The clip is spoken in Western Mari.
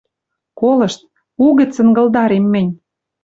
Колышт, угӹц ынгылдарем мӹнь: